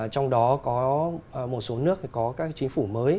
trong đó có một số nước có các chính phủ mới